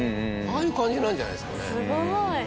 ああいう感じなんじゃないですかね。